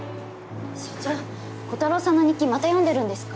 所長コタローさんの日記また読んでるんですか？